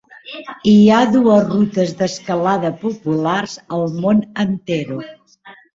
Hi ha dues rutes d'escalada populars al mont Antero.